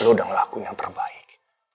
lu udah ngelakuin yang terbaik